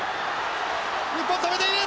日本止めている！